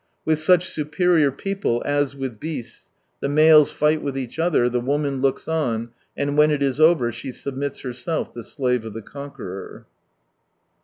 With such " superior people," as with beasts, the males fight with each other, the woman looks on, and when it is over, she submits herself the slave of the conqueror.